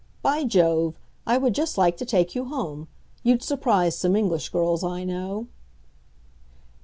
By Jove! I would just like to take you home. You'd surprise some English girls I know."